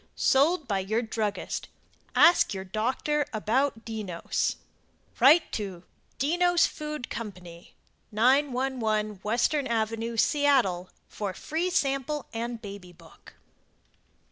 SOLD BY YOUR DRUGGIST Ask your doctor about "Dennos" Write to DENNOS FOOD CO. 911 Western Ave., Seattle for Free Sample and Baby Book.